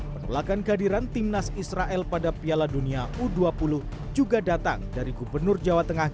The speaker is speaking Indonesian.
penolakan kehadiran timnas israel pada piala dunia u dua puluh juga datang dari gubernur jawa tengah